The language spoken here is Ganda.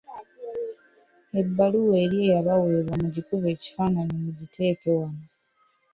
Ebbaluwa eri eyabaweebwa mugikube ekifaananyi mugiteeke wano.